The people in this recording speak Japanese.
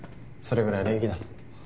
それぐらい礼儀だ。